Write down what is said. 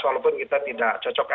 walaupun kita tidak cocok